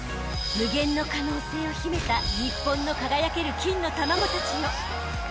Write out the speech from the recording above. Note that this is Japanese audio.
［無限の可能性を秘めた日本の輝ける金の卵たちよ］